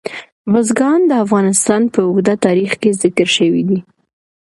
بزګان د افغانستان په اوږده تاریخ کې ذکر شوی دی.